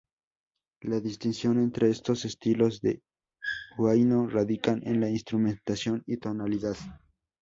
La distinción entre estos estilos de huayno radican en la instrumentación y tonalidad.